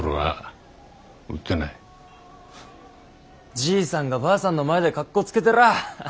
じいさんがばあさんの前でかっこつけてら。